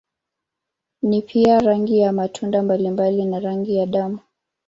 Ni pia rangi ya matunda mbalimbali na rangi ya damu.